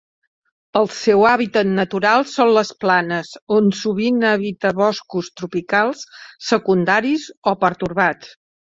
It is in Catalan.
El seu hàbitat natural són les planes, on sovint habita boscos tropicals secundaris o pertorbats.